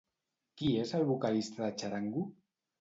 Qui és el vocalista de Txarango?